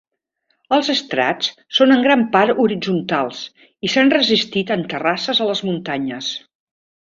Els estrats són en gran part horitzontal, i s'han resistit en terrasses a les muntanyes.